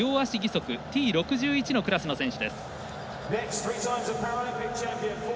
Ｔ６１のクラスの選手です。